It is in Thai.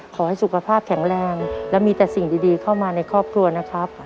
ขอให้สุขภาพแข็งแรงและมีแต่สิ่งดีเข้ามาในครอบครัวนะครับ